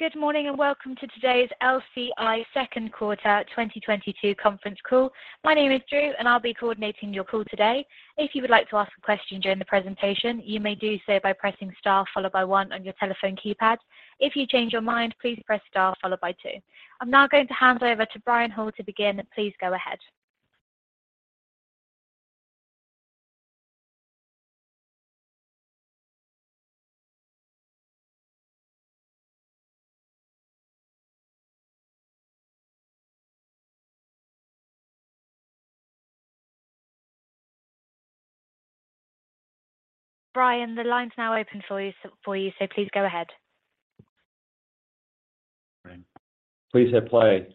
Good morning and welcome to today's LCI second quarter 2022 conference call. My name is Drew, and I'll be coordinating your call today. If you would like to ask a question during the presentation, you may do so by pressing star followed by one on your telephone keypad. If you change your mind, please press star followed by two. I'm now going to hand over to Brian Hall to begin. Please go ahead. Brian, the line's now open for you, so please go ahead. Please hit play.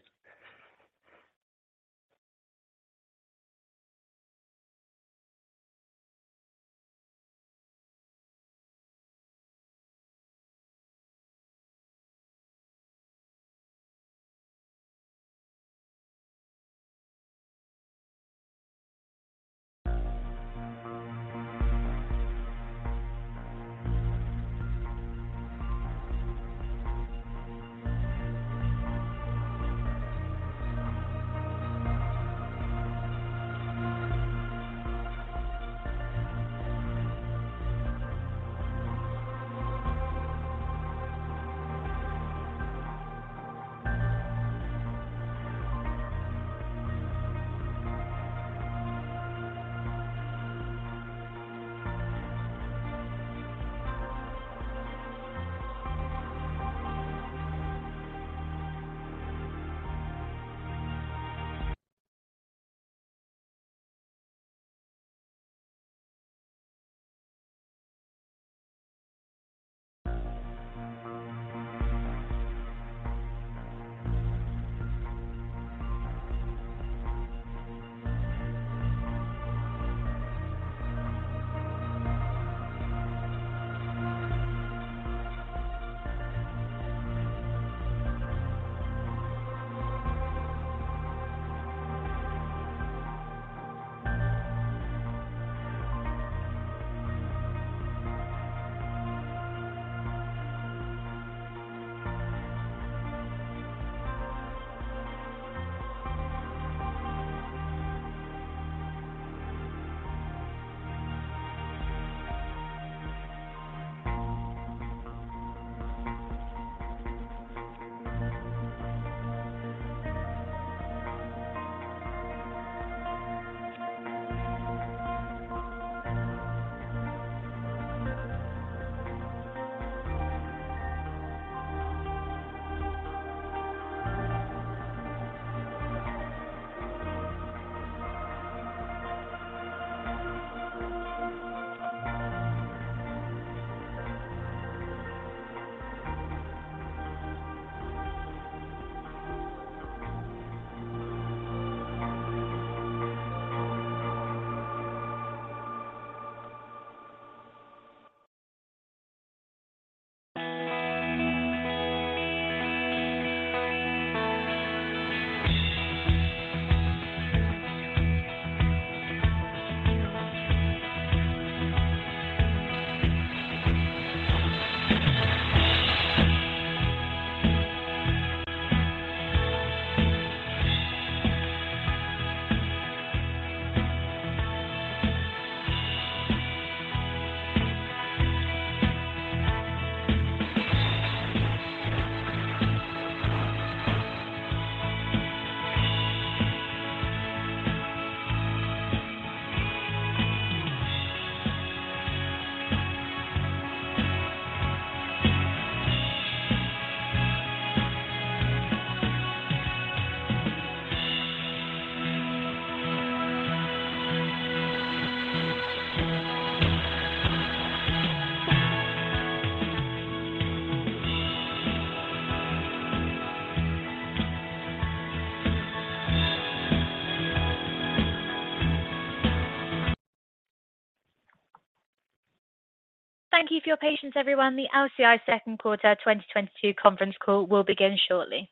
Thank you for your patience, everyone. The LCI second quarter 2022 conference call will begin shortly.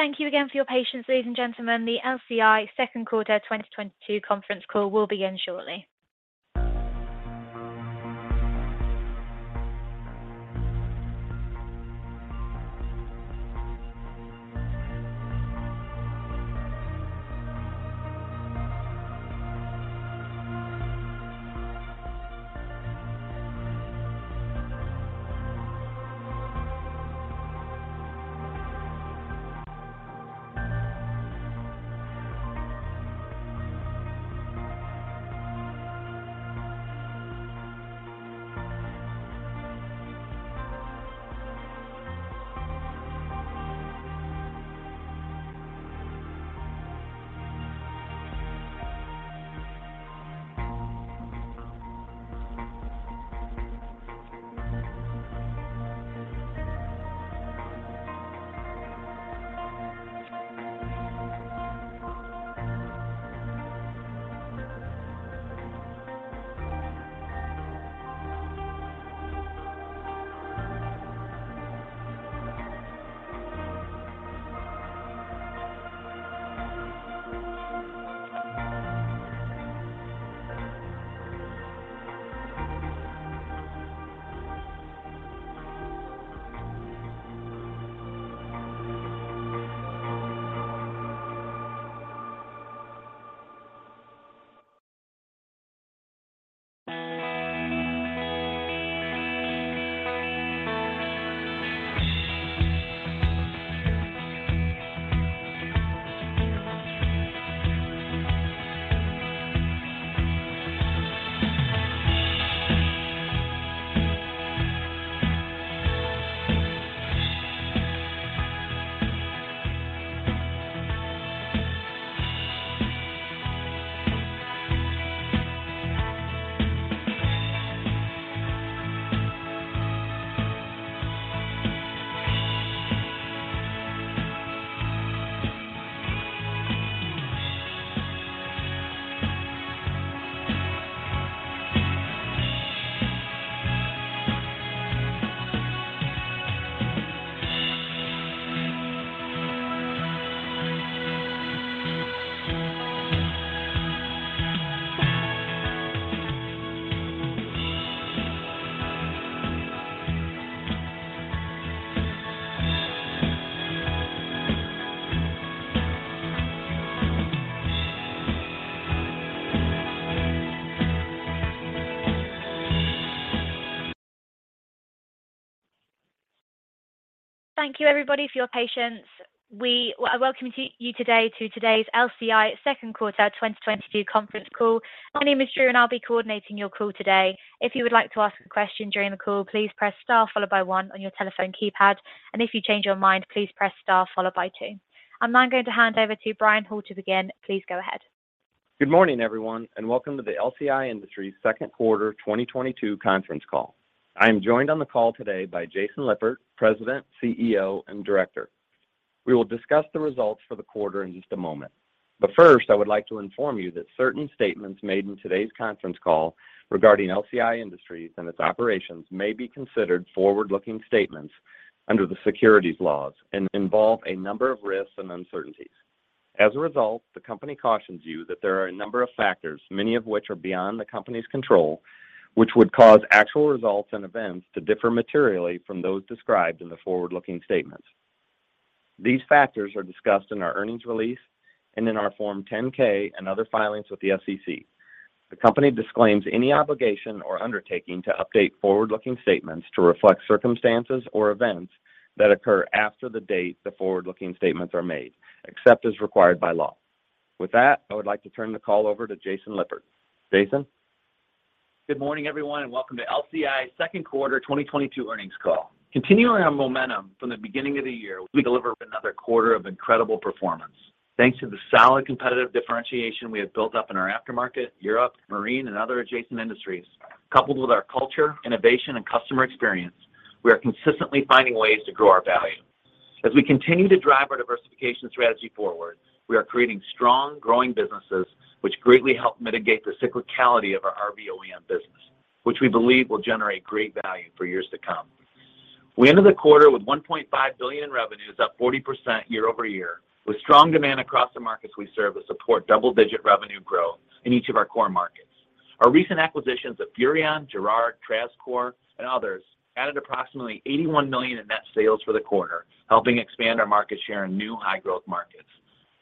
Thank you again for your patience, ladies and gentlemen. The LCI second quarter 2022 conference call will begin shortly. Thank you everybody for your patience. We welcome you today to today's LCI second quarter 2022 conference call. My name is Drew, and I'll be coordinating your call today. If you would like to ask a question during the call, please press Star followed by one on your telephone keypad. If you change your mind, please press Star followed by two. I'm now going to hand over to Brian Hall to begin. Please go ahead. Good morning, everyone, and welcome to the LCI Industries second quarter 2022 conference call. I am joined on the call today by Jason Lippert, President, CEO, and Director. We will discuss the results for the quarter in just a moment. First, I would like to inform you that certain statements made in today's conference call regarding LCI Industries and its operations may be considered forward-looking statements under the securities laws and involve a number of risks and uncertainties. As a result, the company cautions you that there are a number of factors, many of which are beyond the company's control, which would cause actual results and events to differ materially from those described in the forward-looking statements. These factors are discussed in our earnings release and in our Form 10-K and other filings with the SEC. The company disclaims any obligation or undertaking to update forward-looking statements to reflect circumstances or events that occur after the date the forward-looking statements are made, except as required by law. With that, I would like to turn the call over to Jason Lippert. Jason. Good morning, everyone, and welcome to LCI second quarter 2022 earnings call. Continuing our momentum from the beginning of the year, we deliver another quarter of incredible performance. Thanks to the solid competitive differentiation we have built up in our aftermarket, Europe, marine, and other adjacent industries. Coupled with our culture, innovation, and customer experience, we are consistently finding ways to grow our value. As we continue to drive our diversification strategy forward, we are creating strong, growing businesses which greatly help mitigate the cyclicality of our RV OEM business, which we believe will generate great value for years to come. We ended the quarter with $1.5 billion in revenues, up 40% year-over-year, with strong demand across the markets we serve that support double-digit revenue growth in each of our core markets. Our recent acquisitions of Furrion, Girard, Trazcor, and others added approximately $81 million in net sales for the quarter, helping expand our market share in new high-growth markets.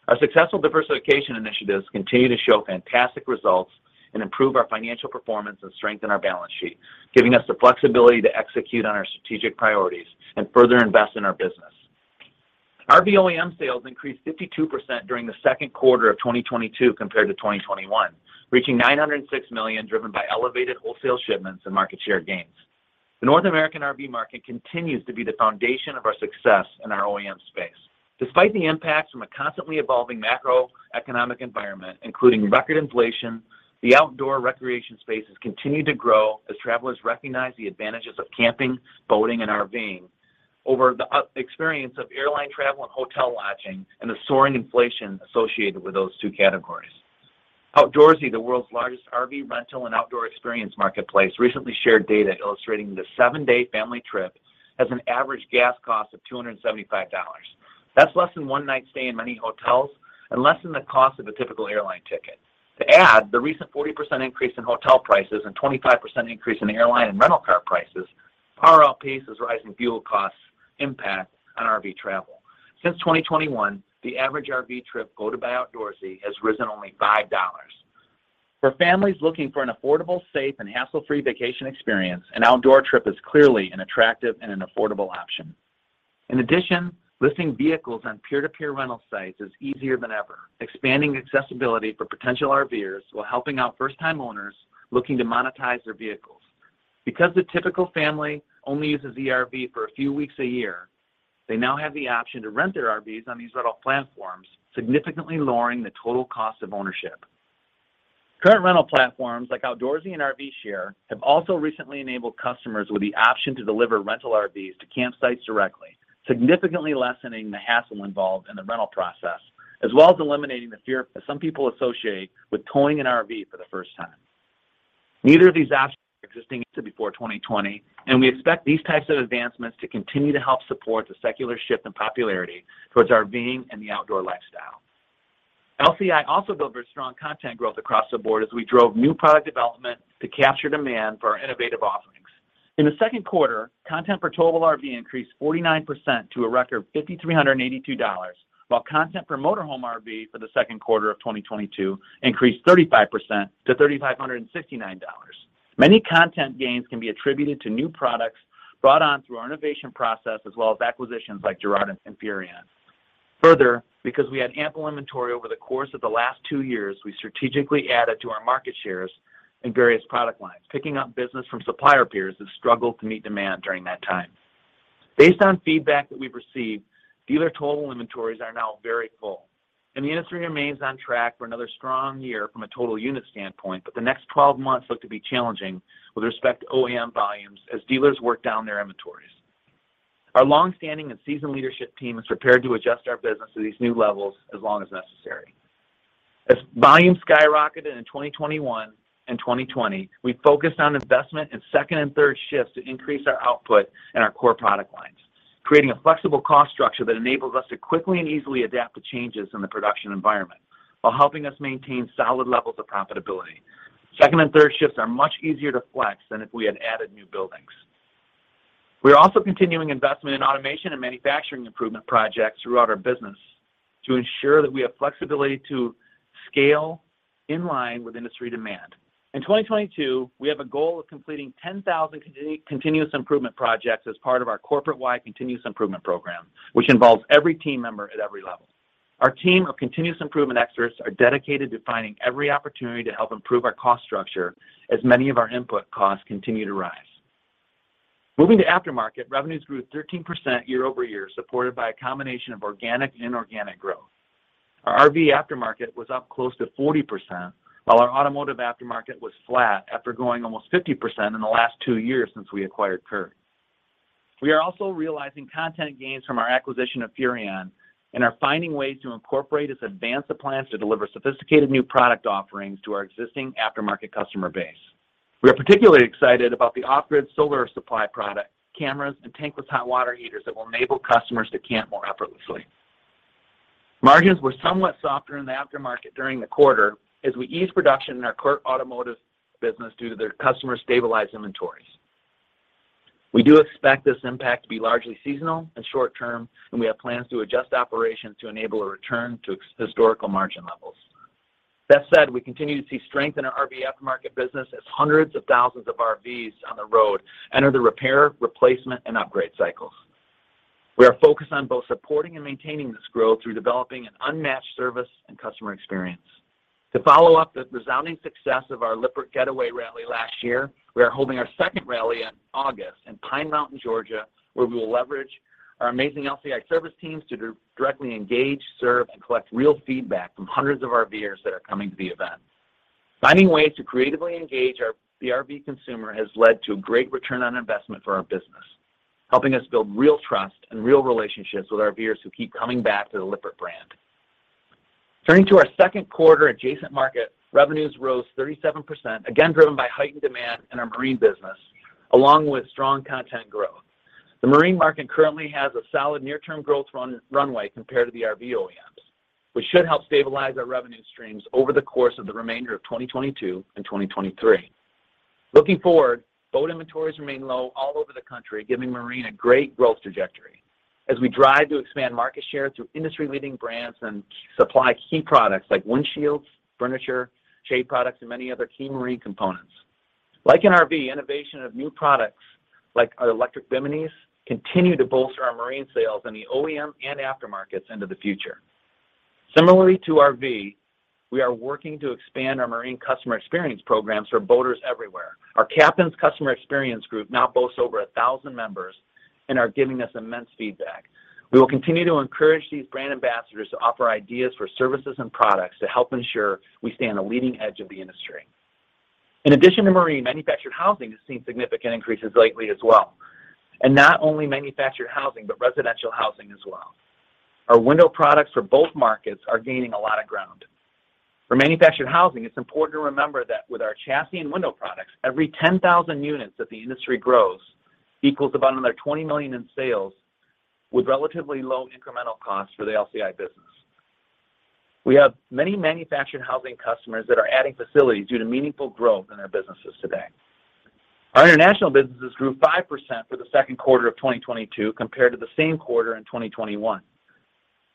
Our successful diversification initiatives continue to show fantastic results and improve our financial performance and strengthen our balance sheet, giving us the flexibility to execute on our strategic priorities and further invest in our business. RV OEM sales increased 52% during the second quarter of 2022 compared to 2021, reaching $906 million, driven by elevated wholesale shipments and market share gains. The North American RV market continues to be the foundation of our success in our OEM space. Despite the impacts from a constantly evolving macroeconomic environment, including record inflation, the outdoor recreation space has continued to grow as travelers recognize the advantages of camping, boating, and RV-ing over the experience of airline travel and hotel lodging and the soaring inflation associated with those two categories. Outdoorsy, the world's largest RV rental and outdoor experience marketplace, recently shared data illustrating the seven-day family trip has an average gas cost of $275. That's less than one night's stay in many hotels and less than the cost of a typical airline ticket. To add, the recent 40% increase in hotel prices and 25% increase in airline and rental car prices far outpaces rising fuel costs impact on RV travel. Since 2021, the average RV trip quoted by Outdoorsy has risen only $5. For families looking for an affordable, safe, and hassle-free vacation experience, an outdoor trip is clearly an attractive and an affordable option. In addition, listing vehicles on peer-to-peer rental sites is easier than ever, expanding accessibility for potential RV-ers while helping out first-time owners looking to monetize their vehicles. Because the typical family only uses their RV for a few weeks a year, they now have the option to rent their RVs on these rental platforms, significantly lowering the total cost of ownership. Current rental platforms like Outdoorsy and RVshare have also recently enabled customers with the option to deliver rental RVs to campsites directly, significantly lessening the hassle involved in the rental process, as well as eliminating the fear some people associate with towing an RV for the first time. Neither of these options were existing until before 2020, and we expect these types of advancements to continue to help support the secular shift in popularity towards RV-ing and the outdoor lifestyle. LCI also delivered strong content growth across the board as we drove new product development to capture demand for our innovative offerings. In the second quarter, content for towable RV increased 49% to a record $5,382, while content for motor home RV for the second quarter of 2022 increased 35% to $3,569. Many content gains can be attributed to new products brought on through our innovation process as well as acquisitions like Girard and Furrion. Further, because we had ample inventory over the course of the last two years, we strategically added to our market shares in various product lines, picking up business from supplier peers who struggled to meet demand during that time. Based on feedback that we've received, dealer total inventories are now very full, and the industry remains on track for another strong year from a total unit standpoint, but the next 12 months look to be challenging with respect to OEM volumes as dealers work down their inventories. Our long-standing and seasoned leadership team is prepared to adjust our business to these new levels as long as necessary. As volumes skyrocketed in 2021 and 2020, we focused on investment in second and third shifts to increase our output in our core product lines, creating a flexible cost structure that enables us to quickly and easily adapt to changes in the production environment while helping us maintain solid levels of profitability. Second and third shifts are much easier to flex than if we had added new buildings. We are also continuing investment in automation and manufacturing improvement projects throughout our business to ensure that we have flexibility to scale in line with industry demand. In 2022, we have a goal of completing 10,000 continuous improvement projects as part of our corporate-wide continuous improvement program, which involves every team member at every level. Our team of continuous improvement experts are dedicated to finding every opportunity to help improve our cost structure as many of our input costs continue to rise. Moving to aftermarket, revenues grew 13% year-over-year, supported by a combination of organic and inorganic growth. Our RV aftermarket was up close to 40%, while our automotive aftermarket was flat after growing almost 50% in the last two years since we acquired CURT. We are also realizing content gains from our acquisition of Furrion and are finding ways to incorporate its advanced plans to deliver sophisticated new product offerings to our existing aftermarket customer base. We are particularly excited about the off-grid solar supply product, cameras, and tankless hot water heaters that will enable customers to camp more effortlessly. Margins were somewhat softer in the aftermarket during the quarter as we eased production in our CURT Automotive business due to their customer-stabilized inventories. We do expect this impact to be largely seasonal and short-term, and we have plans to adjust operations to enable a return to historical margin levels. That said, we continue to see strength in our RV aftermarket business as hundreds of thousands of RVs on the road enter the repair, replacement, and upgrade cycles. We are focused on both supporting and maintaining this growth through developing an unmatched service and customer experience. To follow up the resounding success of our Lippert Getaway Rally last year, we are holding our second rally in August in Pine Mountain, Georgia, where we will leverage our amazing LCI service teams to directly engage, serve, and collect real feedback from hundreds of RVers that are coming to the event. Finding ways to creatively engage the RV consumer has led to a great return on investment for our business, helping us build real trust and real relationships with RVers who keep coming back to the Lippert brand. Turning to our second quarter adjacent market, revenues rose 37%, again, driven by heightened demand in our marine business, along with strong content growth. The marine market currently has a solid near-term growth runway compared to the RV OEMs, which should help stabilize our revenue streams over the course of the remainder of 2022 and 2023. Looking forward, boat inventories remain low all over the country, giving marine a great growth trajectory as we drive to expand market share through industry-leading brands and supply key products like windshields, furniture, shade products, and many other key marine components. Like in RV, innovation of new products like our electric biminis continue to bolster our marine sales in the OEM and aftermarkets into the future. Similarly to RV, we are working to expand our marine customer experience programs for boaters everywhere. Our Captains Customer Experience Group now boasts over 1,000 members and are giving us immense feedback. We will continue to encourage these brand ambassadors to offer ideas for services and products to help ensure we stay on the leading edge of the industry. In addition to marine, manufactured housing has seen significant increases lately as well, and not only manufactured housing, but residential housing as well. Our window products for both markets are gaining a lot of ground. For manufactured housing, it's important to remember that with our chassis and window products, every 10,000 units that the industry grows equals about another $20 million in sales with relatively low incremental costs for the LCI business. We have many manufactured housing customers that are adding facilities due to meaningful growth in their businesses today. Our international businesses grew 5% for the second quarter of 2022 compared to the same quarter in 2021.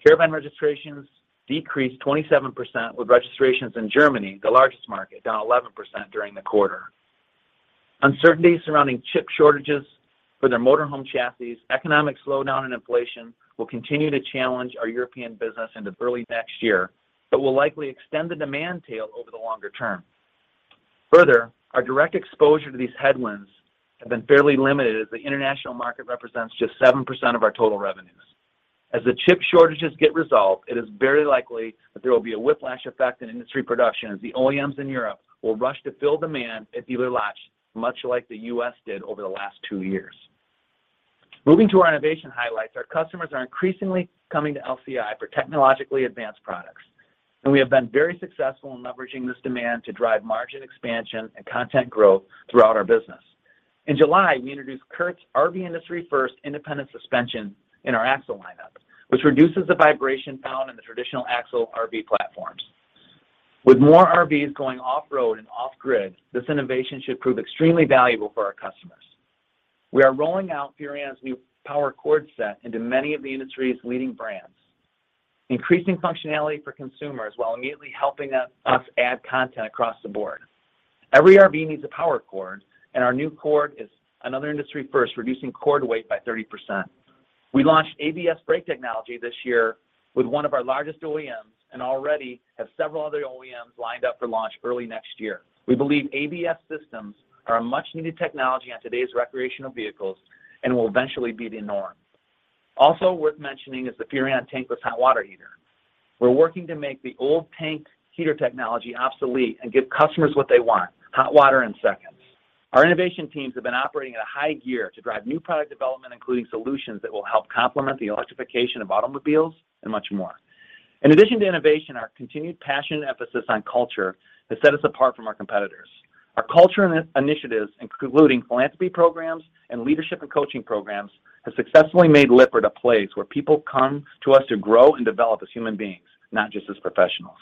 Caravan registrations decreased 27%, with registrations in Germany, the largest market, down 11% during the quarter. Uncertainty surrounding chip shortages for their motorhome chassis, economic slowdown and inflation will continue to challenge our European business into early next year, but will likely extend the demand tail over the longer term. Further, our direct exposure to these headwinds have been fairly limited as the international market represents just 7% of our total revenues. As the chip shortages get resolved, it is very likely that there will be a whiplash effect in industry production as the OEMs in Europe will rush to fill demand at dealer lots, much like the U.S. did over the last two years. Moving to our innovation highlights, our customers are increasingly coming to LCI for technologically advanced products, and we have been very successful in leveraging this demand to drive margin expansion and content growth throughout our business. In July, we introduced CURT's RV industry first independent suspension in our axle lineup, which reduces the vibration found in the traditional axle RV platforms. With more RVs going off-road and off-grid, this innovation should prove extremely valuable for our customers. We are rolling out Furrion's new Power Cordset into many of the industry's leading brands, increasing functionality for consumers while immediately helping us add content across the board. Every RV needs a power cord, and our new cord is another industry first, reducing cord weight by 30%. We launched ABS brake technology this year with one of our largest OEMs and already have several other OEMs lined up for launch early next year. We believe ABS systems are a much-needed technology on today's recreational vehicles and will eventually be the norm. Also worth mentioning is the Furrion Tankless Water Heater. We're working to make the old tank heater technology obsolete and give customers what they want, hot water in seconds. Our innovation teams have been operating at a high gear to drive new product development, including solutions that will help complement the electrification of automobiles and much more. In addition to innovation, our continued passion and emphasis on culture has set us apart from our competitors. Our culture initiatives, including philanthropy programs and leadership and coaching programs, have successfully made Lippert a place where people come to us to grow and develop as human beings, not just as professionals.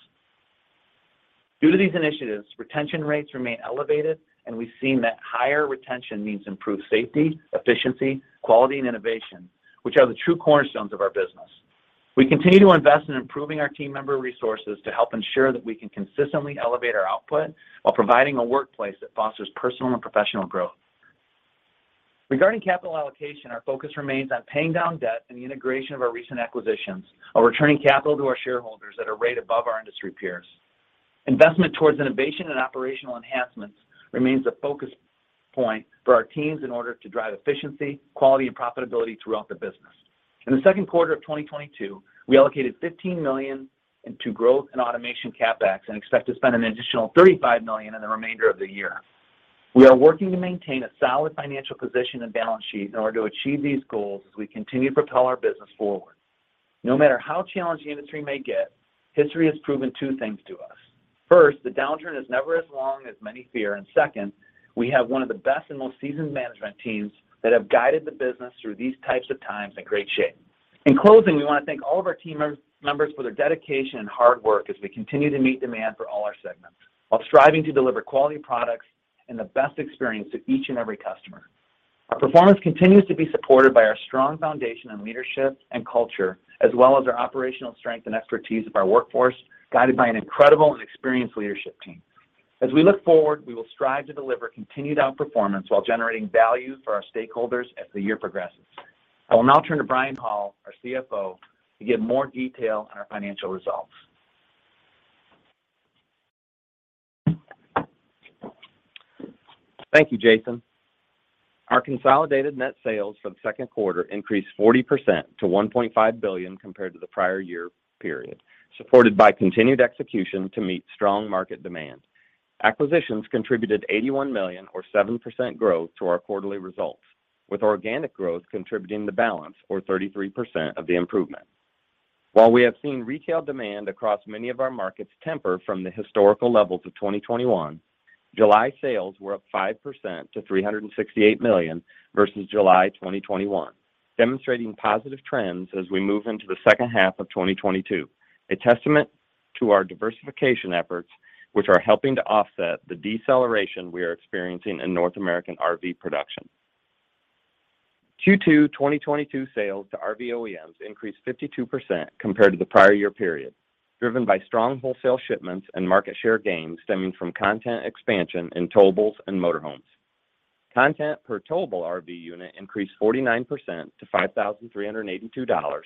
Due to these initiatives, retention rates remain elevated, and we've seen that higher retention means improved safety, efficiency, quality, and innovation, which are the true cornerstones of our business. We continue to invest in improving our team member resources to help ensure that we can consistently elevate our output while providing a workplace that fosters personal and professional growth. Regarding capital allocation, our focus remains on paying down debt and the integration of our recent acquisitions while returning capital to our shareholders at a rate above our industry peers. Investment towards innovation and operational enhancements remains a focus point for our teams in order to drive efficiency, quality, and profitability throughout the business. In the second quarter of 2022, we allocated $15 million into growth and automation CapEx and expect to spend an additional $35 million in the remainder of the year. We are working to maintain a solid financial position and balance sheet in order to achieve these goals as we continue to propel our business forward. No matter how challenging the industry may get, history has proven two things to us. First, the downturn is never as long as many fear, and second, we have one of the best and most seasoned management teams that have guided the business through these types of times in great shape. In closing, we want to thank all of our team members for their dedication and hard work as we continue to meet demand for all our segments while striving to deliver quality products and the best experience to each and every customer. Our performance continues to be supported by our strong foundation in leadership and culture, as well as our operational strength and expertise of our workforce, guided by an incredible and experienced leadership team. As we look forward, we will strive to deliver continued outperformance while generating value for our stakeholders as the year progresses. I will now turn to Brian Hall, our CFO, to give more detail on our financial results. Thank you, Jason. Our consolidated net sales for the second quarter increased 40% to $1.5 billion compared to the prior year period, supported by continued execution to meet strong market demand. Acquisitions contributed $81 million or 7% growth to our quarterly results, with organic growth contributing the balance or 33% of the improvement. While we have seen retail demand across many of our markets temper from the historical levels of 2021, July sales were up 5% to $368 million versus July 2021, demonstrating positive trends as we move into the second half of 2022. A testament to our diversification efforts, which are helping to offset the deceleration we are experiencing in North American RV production. Q2 2022 sales to RV OEMs increased 52% compared to the prior year period, driven by strong wholesale shipments and market share gains stemming from content expansion in towables and motor homes. Content per towable RV unit increased 49% to $5,382,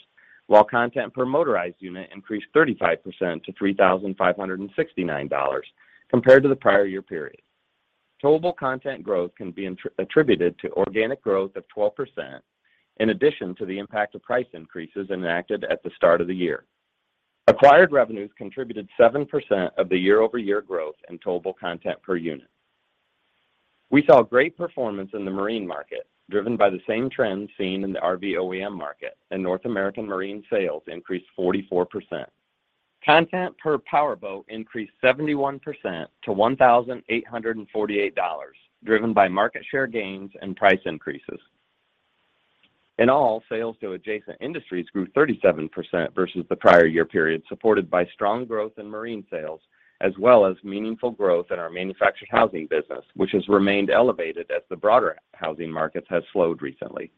while content per motorized unit increased 35% to $3,569 compared to the prior year period. Towable content growth can be attributed to organic growth of 12% in addition to the impact of price increases enacted at the start of the year. Acquired revenues contributed 7% of the year-over-year growth in towable content per unit. We saw great performance in the marine market, driven by the same trends seen in the RV OEM market and North American Marine sales increased 44%. Content per powerboat increased 71% to $1,848, driven by market share gains and price increases. In all, sales to adjacent industries grew 37% versus the prior year period, supported by strong growth in marine sales as well as meaningful growth in our manufactured housing business, which has remained elevated as the broader housing markets have slowed recently.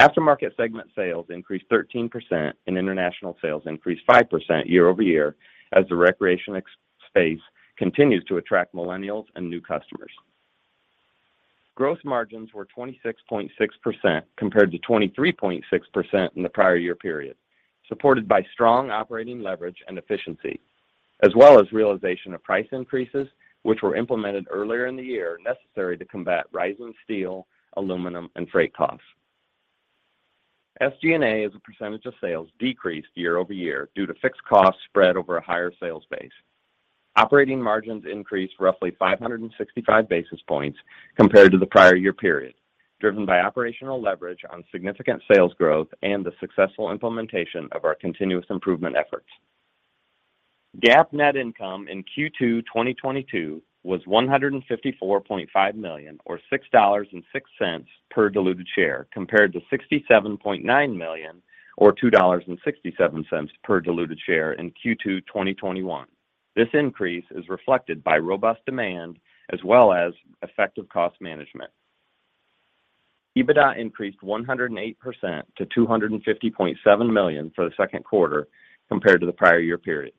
Aftermarket segment sales increased 13% and international sales increased 5% year-over-year as the recreational space continues to attract millennials and new customers. Gross margins were 26.6% compared to 23.6% in the prior year period, supported by strong operating leverage and efficiency as well as realization of price increases which were implemented earlier in the year necessary to combat rising steel, aluminum and freight costs. SG&A as a percentage of sales decreased year-over-year due to fixed costs spread over a higher sales base. Operating margins increased roughly 565 basis points compared to the prior year period, driven by operational leverage on significant sales growth and the successful implementation of our continuous improvement efforts. GAAP net income in Q2 2022 was $154.5 million or $6.06 per diluted share, compared to $67.9 million or $2.67 per diluted share in Q2 2021. This increase is reflected by robust demand as well as effective cost management. EBITDA increased 108% to $250.7 million for the second quarter compared to the prior year period.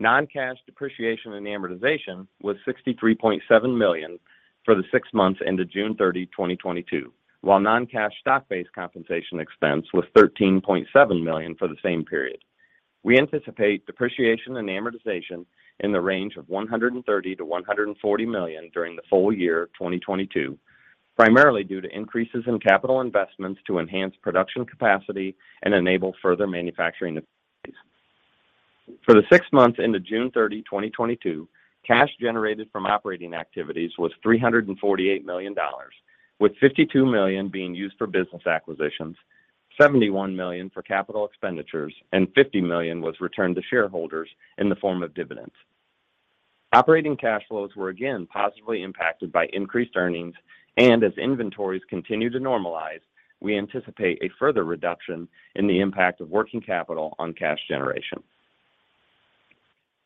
Non-cash depreciation and amortization was $63.7 million for the six months ended June 30, 2022, while non-cash stock-based compensation expense was $13.7 million for the same period. We anticipate depreciation and amortization in the range of $130 million-$140 million during the full year 2022, primarily due to increases in capital investments to enhance production capacity and enable further manufacturing efficiencies. For the six months ended June 30, 2022, cash generated from operating activities was $348 million, with $52 million being used for business acquisitions, $71 million for capital expenditures, and $50 million was returned to shareholders in the form of dividends. Operating cash flows were again positively impacted by increased earnings, and as inventories continue to normalize, we anticipate a further reduction in the impact of working capital on cash generation.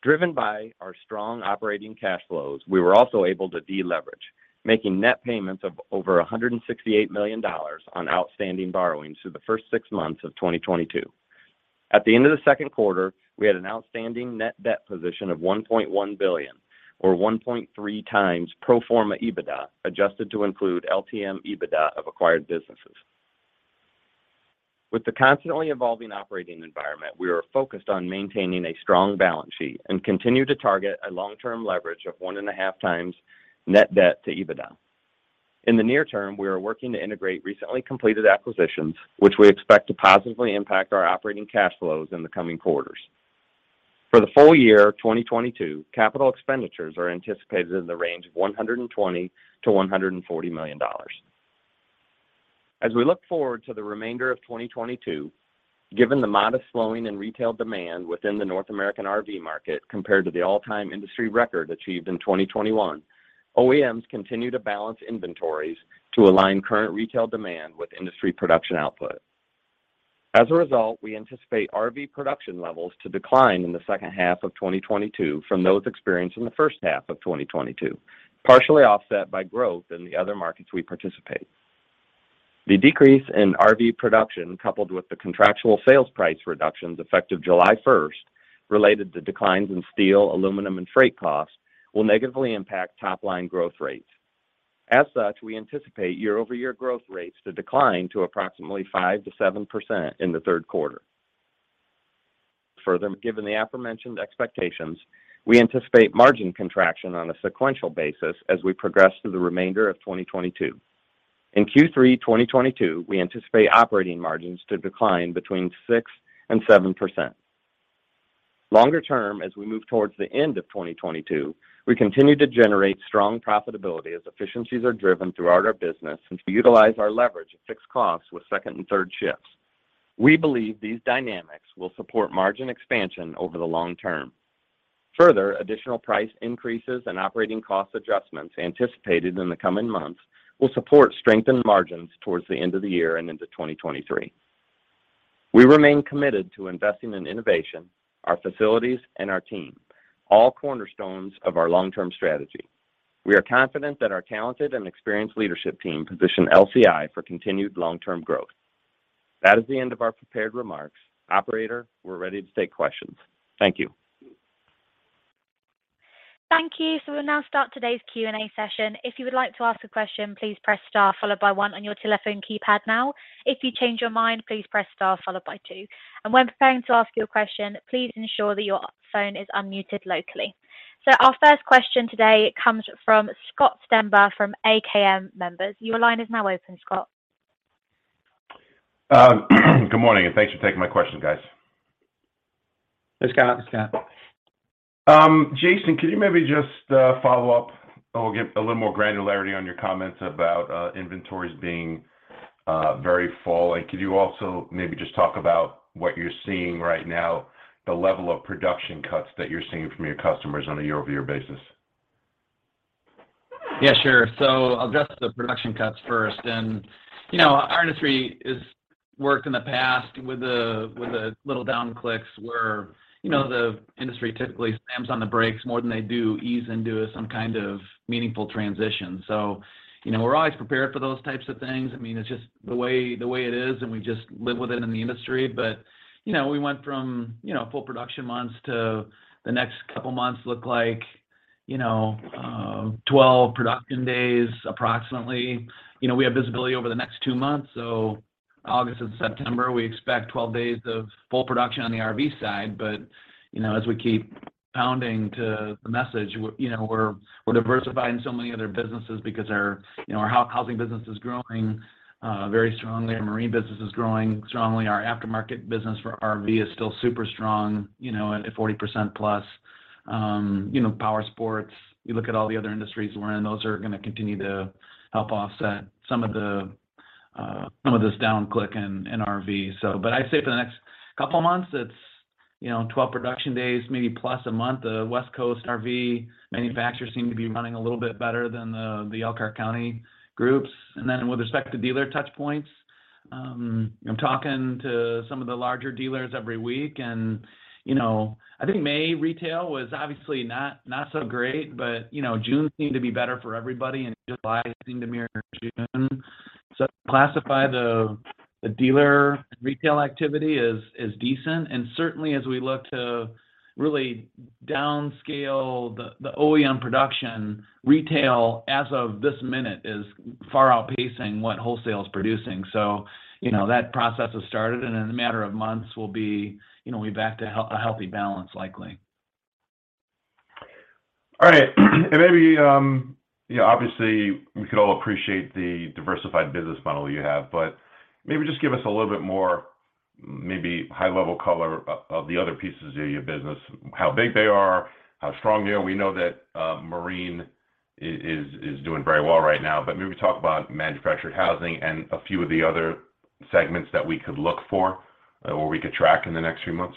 Driven by our strong operating cash flows, we were also able to deleverage, making net payments of over $168 million on outstanding borrowings through the first six months of 2022. At the end of the second quarter, we had an outstanding net debt position of $1.1 billion or 1.3x pro forma EBITDA, adjusted to include LTM EBITDA of acquired businesses. With the constantly evolving operating environment, we are focused on maintaining a strong balance sheet and continue to target a long-term leverage of 1.5x net debt to EBITDA. In the near term, we are working to integrate recently completed acquisitions, which we expect to positively impact our operating cash flows in the coming quarters. For the full year 2022, capital expenditures are anticipated in the range of $120 million-$140 million. As we look forward to the remainder of 2022, given the modest slowing in retail demand within the North American RV market compared to the all-time industry record achieved in 2021, OEMs continue to balance inventories to align current retail demand with industry production output. As a result, we anticipate RV production levels to decline in the second half of 2022 from those experienced in the first half of 2022, partially offset by growth in the other markets we participate. The decrease in RV production, coupled with the contractual sales price reductions effective July 1st, related to declines in steel, aluminum, and freight costs, will negatively impact top line growth rates. As such, we anticipate year-over-year growth rates to decline to approximately 5%-7% in the third quarter. Further, given the aforementioned expectations, we anticipate margin contraction on a sequential basis as we progress through the remainder of 2022. In Q3 2022, we anticipate operating margins to decline between 6% and 7%. Longer term, as we move towards the end of 2022, we continue to generate strong profitability as efficiencies are driven throughout our business and to utilize our leverage of fixed costs with second and third shifts. We believe these dynamics will support margin expansion over the long term. Further, additional price increases and operating cost adjustments anticipated in the coming months will support strengthened margins towards the end of the year and into 2023. We remain committed to investing in innovation, our facilities, and our team, all cornerstones of our long-term strategy. We are confident that our talented and experienced leadership team position LCI for continued long-term growth. That is the end of our prepared remarks. Operator, we're ready to take questions. Thank you. Thank you. We'll now start today's Q&A session. If you would like to ask a question, please press star followed by one on your telephone keypad now. If you change your mind, please press star followed by two. When preparing to ask your question, please ensure that your phone is unmuted locally. Our first question today comes from Scott Stember from MKM Partners. Your line is now open, Scott. Good morning, and thanks for taking my questions, guys. Thanks, Scott. Thanks, Scott. Jason, could you maybe just follow up or give a little more granularity on your comments about inventories being very full? Could you also maybe just talk about what you're seeing right now, the level of production cuts that you're seeing from your customers on a year-over-year basis? Yeah, sure. I'll address the production cuts first. You know, our industry has worked in the past with the little down clicks where, you know, the industry typically slams on the brakes more than they do ease into some kind of meaningful transition. You know, we're always prepared for those types of things. I mean, it's just the way it is, and we just live with it in the industry. You know, we went from, you know, full production months to the next couple months look like, you know, 12 production days approximately. You know, we have visibility over the next 2 months. August and September, we expect 12 days of full production on the RV side. You know, as we keep pounding to the message, you know, we're diversifying so many other businesses because our, you know, our housing business is growing very strongly. Our marine business is growing strongly. Our aftermarket business for RV is still super strong, you know, at 40% plus. You know, powersports. You look at all the other industries we're in, those are gonna continue to help offset some of this down cycle in RV. I'd say for the next couple months, it's, you know, 12 production days, maybe plus a month. The West Coast RV manufacturers seem to be running a little bit better than the Elkhart County groups. With respect to dealer touch points, I'm talking to some of the larger dealers every week and, you know, I think May retail was obviously not so great, but you know, June seemed to be better for everybody and July seemed to mirror June. Classify the dealer retail activity as decent and certainly as we look to really downscale the OEM production, retail as of this minute is far outpacing what wholesale is producing. You know, that process has started and in a matter of months we'll be, you know, be back to a healthy balance likely. All right. Maybe, you know, obviously we could all appreciate the diversified business model you have, but maybe just give us a little bit more, maybe high level color of the other pieces of your business, how big they are, how strong they are. We know that, marine is doing very well right now, but maybe talk about manufactured housing and a few of the other segments that we could look for or we could track in the next few months.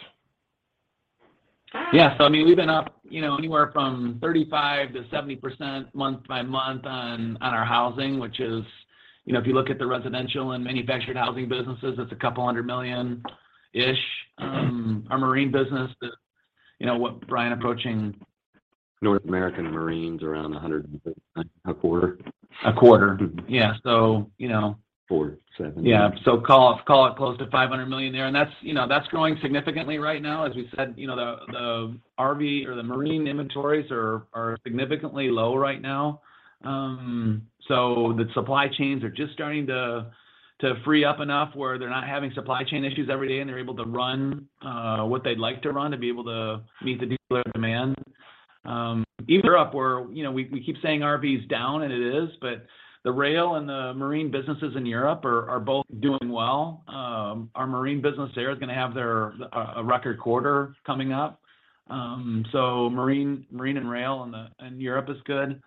Yeah. I mean, we've been up, you know, anywhere from 35%-70% month-by-month on our housing, which is, you know, if you look at the residential and manufactured housing businesses, it's a couple hundred million-ish. Our marine business is, you know, what, Brian, approaching. North American Marine around $100 million a quarter. A quarter. Yeah. You know. $400 million, $700 million? Yeah. Call it close to $500 million there. That's, you know, that's growing significantly right now. As we said, you know, the RV or the marine inventories are significantly low right now. The supply chains are just starting to free up enough where they're not having supply chain issues every day and they're able to run what they'd like to run to be able to meet the dealer demand. Even Europe where, you know, we keep saying RV is down, and it is, but the rail and the marine businesses in Europe are both doing well. Our marine business there is gonna have their a record quarter coming up. Marine and rail in Europe is good.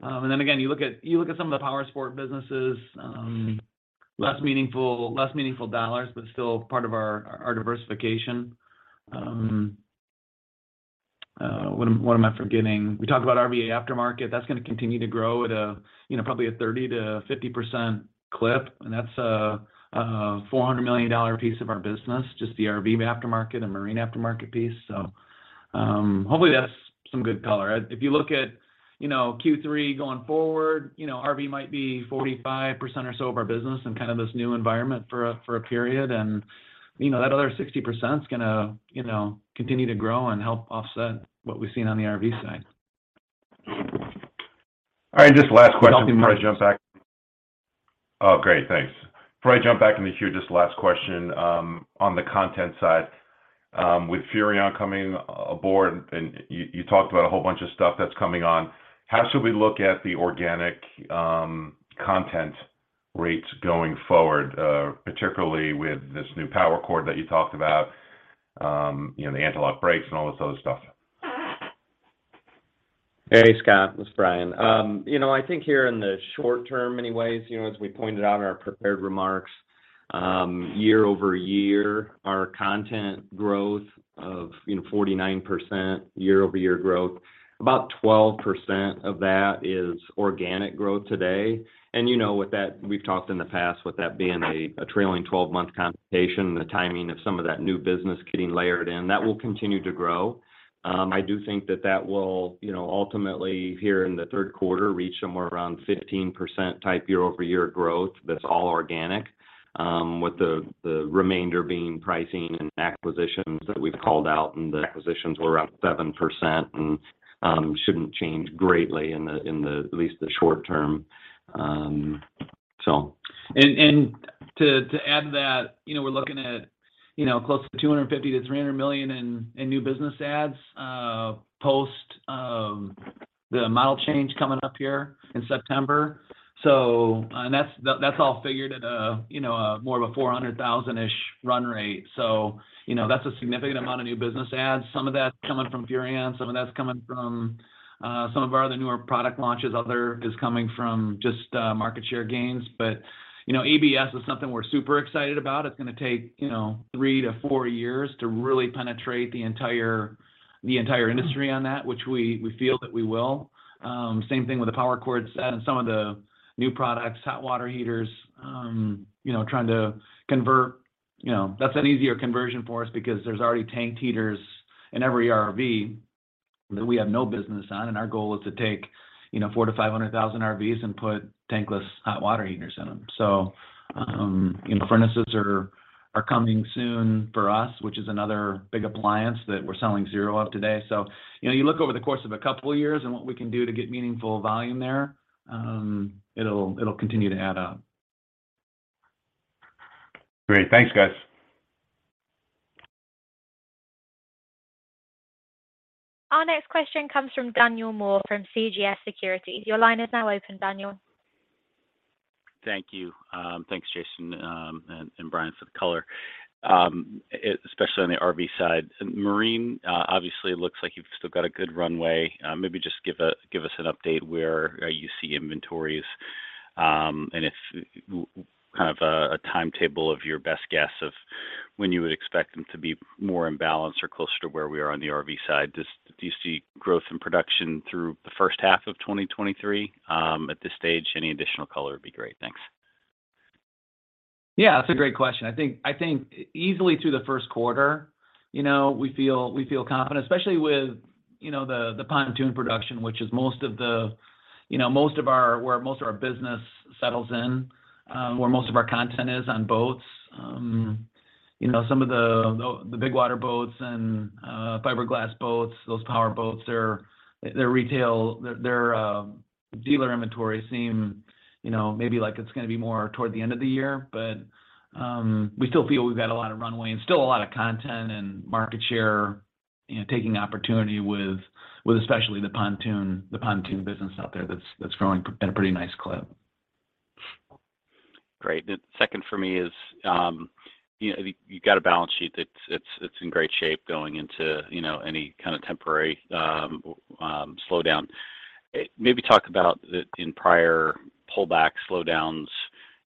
Then again, you look at some of the powersport businesses, less meaningful dollars, but still part of our diversification. What am I forgetting? We talked about RV aftermarket. That's gonna continue to grow at a you know probably a 30%-50% clip. And that's a $400 million piece of our business, just the RV aftermarket and marine aftermarket piece. Hopefully that's some good color. If you look at you know Q3 going forward, you know, RV might be 45% or so of our business and kind of this new environment for a period. That other 60% is gonna you know continue to grow and help offset what we've seen on the RV side. All right. Just last question before I jump back. Oh, great. Thanks. Before I jump back in the queue, just last question, on the content side. With Furrion coming aboard and you talked about a whole bunch of stuff that's coming on, how should we look at the organic content rates going forward, particularly with this new power cord that you talked about, you know, the anti-lock brakes and all this other stuff? Hey, Scott, it's Brian. You know, I think here in the short term anyway, you know, as we pointed out in our prepared remarks, year-over-year, our component growth of, you know, 49% year-over-year growth. About 12% of that is organic growth today. You know with that, we've talked in the past with that being a trailing twelve-month computation, the timing of some of that new business getting layered in, that will continue to grow. I do think that will, you know, ultimately here in the third quarter, reach somewhere around 15% type year-over-year growth that's all organic, with the remainder being pricing and acquisitions that we've called out, and the acquisitions were up 7% and shouldn't change greatly in the at least the short term. So. To add to that, you know, we're looking at, you know, close to $250 million-$300 million in new business adds post the model change coming up here in September. That's all figured at a, you know, a more of a 400,000-ish run rate. You know, that's a significant amount of new business adds. Some of that's coming from Furrion, some of that's coming from some of our other newer product launches. Other is coming from just market share gains. You know, ABS is something we're super excited about. It's gonna take, you know, 3-4 years to really penetrate the entire industry on that, which we feel that we will. Same thing with the Furrion Power Cordset and some of the new products, hot water heaters, you know, trying to convert, you know. That's an easier conversion for us because there's already tank heaters in every RV that we have no business on, and our goal is to take, you know, 400,000-500,000 RVs and put tankless hot water heaters in them. Furnaces are coming soon for us, which is another big appliance that we're selling zero of today. You know, you look over the course of a couple of years and what we can do to get meaningful volume there, it'll continue to add up. Great. Thanks, guys. Our next question comes from Daniel Moore from CJS Securities. Your line is now open, Daniel. Thank you. Thanks Jason and Brian for the color, especially on the RV side. Marine obviously looks like you've still got a good runway. Maybe just give us an update where you see inventories and if kind of a timetable of your best guess of when you would expect them to be more in balance or closer to where we are on the RV side. Do you see growth in production through the first half of 2023? At this stage, any additional color would be great. Thanks. Yeah, that's a great question. I think easily through the first quarter, you know, we feel confident, especially with, you know, the pontoon production, which is most of our business, where most of our content is on boats. You know, some of the big water boats and fiberglass boats, those power boats, their retail, their dealer inventory seems, you know, maybe like it's gonna be more toward the end of the year. But we still feel we've got a lot of runway and still a lot of content and market share, you know, taking opportunity with especially the pontoon business out there that's growing at a pretty nice clip. Great. The second for me is, you know, you got a balance sheet that's, it's in great shape going into, you know, any kind of temporary slowdown. Maybe talk about the, in prior pullback slowdowns,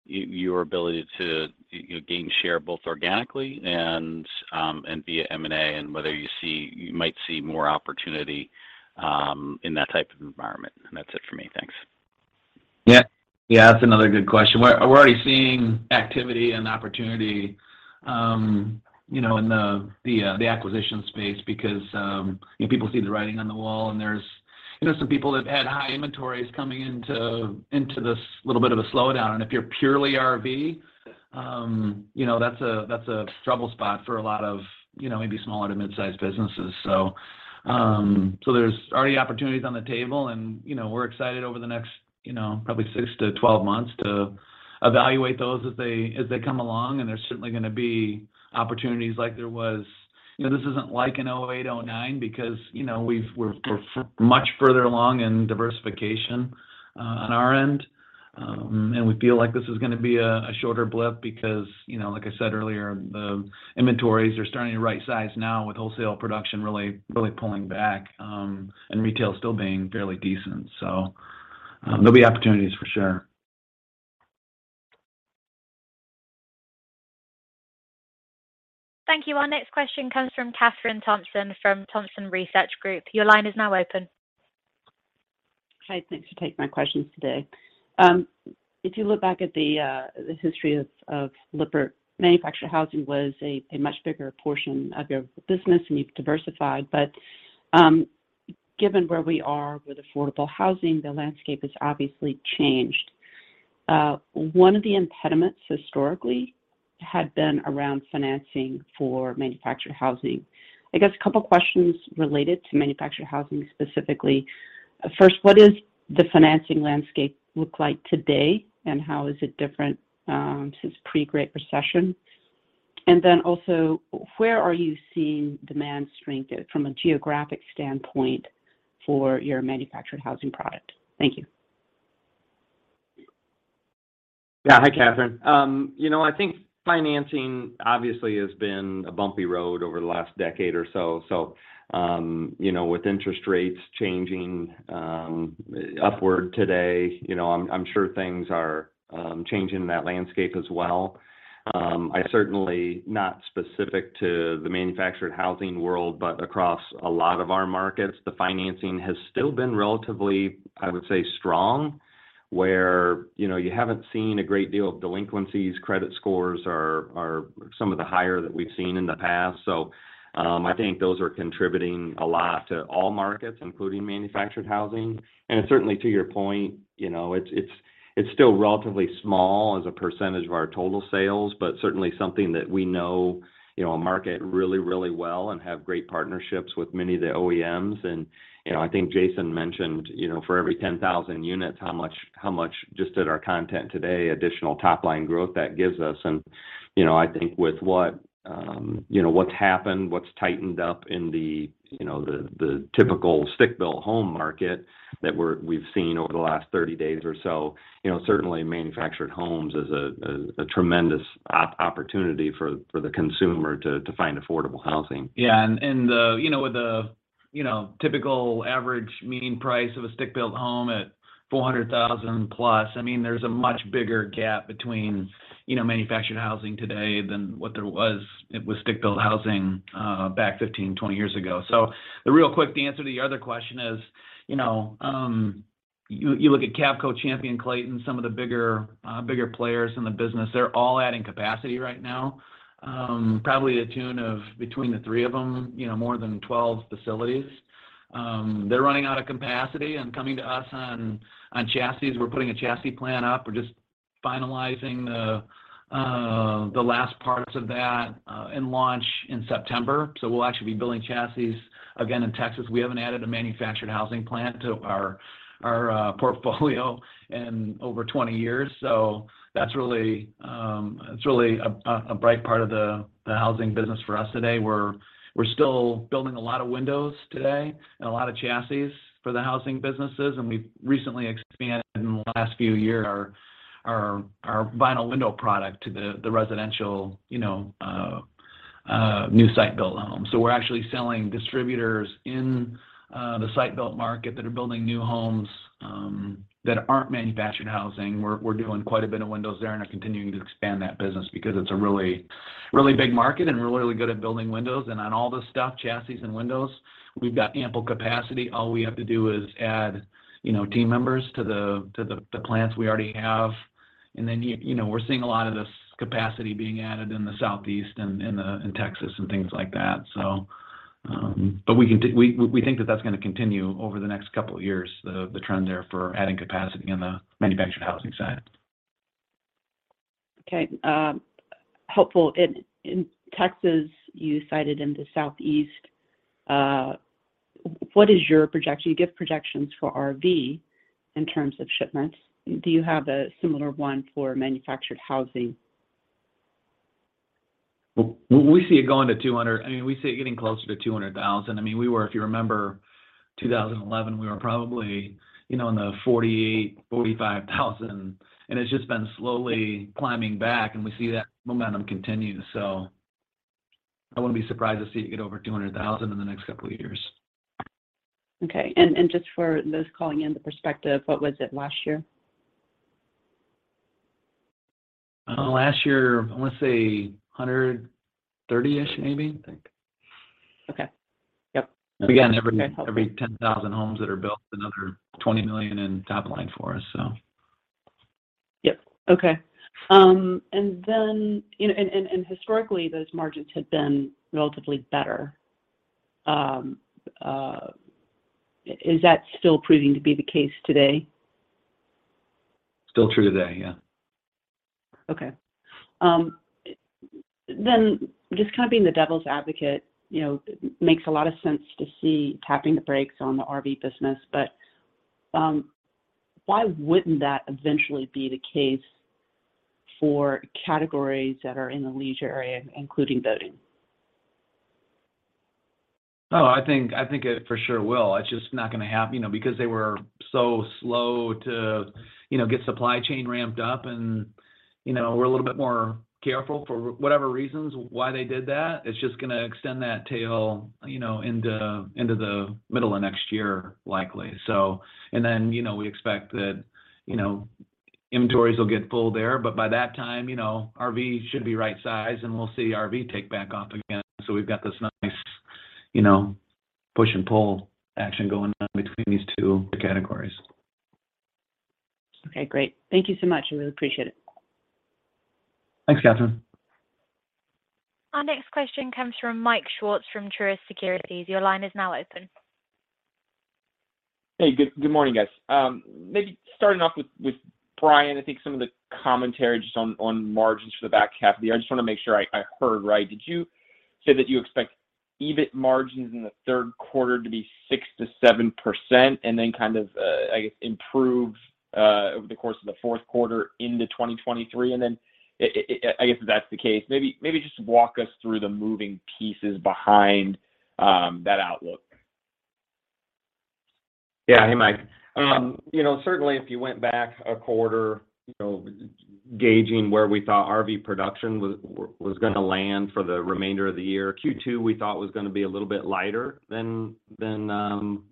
your ability to, you know, gain share both organically and via M&A and whether you might see more opportunity in that type of environment. That's it for me. Thanks. Yeah. Yeah, that's another good question. We're already seeing activity and opportunity, you know, in the acquisition space because, you know, people see the writing on the wall, and there's, you know, some people that have had high inventories coming into this little bit of a slowdown. If you're purely RV, you know, that's a trouble spot for a lot of, you know, maybe smaller to mid-sized businesses. There's already opportunities on the table and, you know, we're excited over the next, you know, probably 6-12 months to evaluate those as they come along. There's certainly gonna be opportunities like there was. You know, this isn't like in 2008, 2009 because, you know, we're much further along in diversification, on our end. We feel like this is gonna be a shorter blip because, you know, like I said earlier, the inventories are starting to right size now with wholesale production really pulling back, and retail still being fairly decent. There'll be opportunities for sure. Thank you. Our next question comes from Kathryn Thompson from Thompson Research Group. Your line is now open. Hi. Thanks for taking my questions today. If you look back at the history of Lippert, manufactured housing was a much bigger portion of your business and you've diversified. Given where we are with affordable housing, the landscape has obviously changed. One of the impediments historically. Had been around financing for manufactured housing. I guess a couple questions related to manufactured housing specifically. First, what does the financing landscape look like today, and how is it different since pre-Great Recession? Then also, where are you seeing demand strength at from a geographic standpoint for your manufactured housing product? Thank you. Yeah. Hi, Kathryn. You know, I think financing obviously has been a bumpy road over the last decade or so. With interest rates changing upward today, you know, I'm sure things are changing in that landscape as well. I certainly, not specific to the manufactured housing world, but across a lot of our markets, the financing has still been relatively, I would say, strong, where, you know, you haven't seen a great deal of delinquencies. Credit scores are some of the higher that we've seen in the past. I think those are contributing a lot to all markets, including manufactured housing. Certainly to your point, you know, it's still relatively small as a percentage of our total sales, but certainly something that we know, you know, a market really well and have great partnerships with many of the OEMs. You know, I think Jason mentioned, you know, for every 10,000 units, how much just at our content today, additional top-line growth that gives us. You know, I think with what, you know, what's happened, what's tightened up in the, you know, the typical stick-built home market that we've seen over the last 30 days or so, you know, certainly manufactured homes is a tremendous opportunity for the consumer to find affordable housing. Yeah. The, you know, with the, you know, typical average median price of a stick-built home at $400,000+, I mean, there's a much bigger gap between, you know, manufactured housing today than what there was with stick-built housing back 15, 20 years ago. The real quick answer to your other question is, you know, you look at Cavco, Champion, Clayton, some of the bigger players in the business. They're all adding capacity right now, probably to the tune of between the three of them, you know, more than 12 facilities. They're running out of capacity and coming to us for chassis. We're putting a chassis plant up. We're just finalizing the last parts of that for launch in September. We'll actually be building chassis again in Texas. We haven't added a manufactured housing plant to our portfolio in over 20 years, so that's really a bright part of the housing business for us today. We're still building a lot of windows today and a lot of chassis for the housing businesses, and we've recently expanded in the last few years our vinyl window product to the residential you know new site-built homes. We're actually selling to distributors in the site-built market that are building new homes that aren't manufactured housing. We're doing quite a bit of windows there and are continuing to expand that business because it's a really big market and we're really good at building windows. On all this stuff, chassis and windows, we've got ample capacity. All we have to do is add, you know, team members to the plants we already have. You know, we're seeing a lot of this capacity being added in the Southeast and in Texas and things like that, so we think that that's gonna continue over the next couple of years, the trend there for adding capacity in the manufactured housing side. Okay, helpful. In Texas, you cited in the Southeast, what is your projection? You give projections for RV in terms of shipments. Do you have a similar one for manufactured housing? We see it getting closer to 200,000. I mean, we were, if you remember 2011, we were probably, you know, in the 45,000-48,000, and it's just been slowly climbing back, and we see that momentum continue. I wouldn't be surprised to see it get over 200,000 in the next couple of years. Okay. Just for those calling in the perspective, what was it last year? Last year, I want to say 130,000-ish, maybe. Okay. Yep. Again, every 10,000 homes that are built, another $20 million in top line for us, so. Yep. Okay. Historically, those margins had been relatively better. Is that still proving to be the case today? Still true today, yeah. Okay. Just kind of being the devil's advocate, you know, makes a lot of sense to see tapping the brakes on the RV business, but, why wouldn't that eventually be the case for categories that are in the leisure area, including boating? Oh, I think it for sure will. It's just not gonna happen, you know, because they were so slow to, you know, get supply chain ramped up and, you know, we're a little bit more careful for whatever reasons why they did that. It's just gonna extend that tail, you know, into the middle of next year, likely. You know, we expect that, you know, inventories will get full there, but by that time, you know, RV should be right size, and we'll see RV take back off again. We've got this nice, you know, push and pull action going on between these two categories. Okay, great. Thank you so much. I really appreciate it. Thanks, Kathryn. Our next question comes from Michael Swartz from Truist Securities. Your line is now open. Hey, good morning, guys. Maybe starting off with Brian, I think some of the commentary just on margins for the back half of the year. I just wanna make sure I heard right. Did you say that you expect EBIT margins in the third quarter to be 6%-7% and then kind of improve over the course of the fourth quarter into 2023? I guess if that's the case, maybe just walk us through the moving pieces behind that outlook. Yeah. Hey, Mike. You know, certainly if you went back a quarter, you know, gauging where we thought RV production was gonna land for the remainder of the year, Q2 we thought was gonna be a little bit lighter than